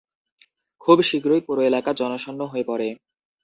খুব শীঘ্রই পুরো এলাকা জনশূন্য হয়ে পড়ে।